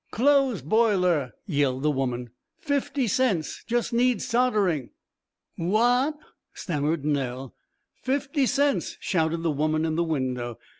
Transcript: "Clothes boiler," yelled the woman. "Fifty cents.... Just needs soldering." "What?" stammered Nell. "Fifty cents," shouted the woman in the window.